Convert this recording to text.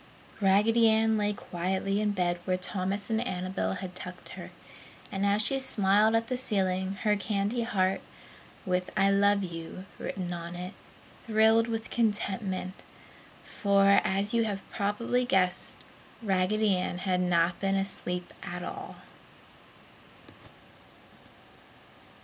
Raggedy Ann lay quietly in bed where Thomas and Annabel had tucked her. And as she smiled at the ceiling, her candy heart (with "I LOVE YOU" written on it) thrilled with contentment, for, as you have probably guessed, Raggedy Ann had not been asleep at all!